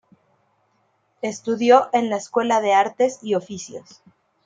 Estudió en la escuela de artes y oficios.